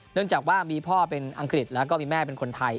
เนื่องจากว่ามีพ่อเป็นอังกฤษแล้วก็มีแม่เป็นคนไทย